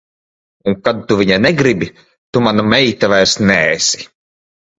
Un kad tu viņa negribi, tu mana meita vairs neesi.